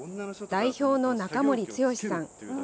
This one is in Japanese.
代表の中森剛志さん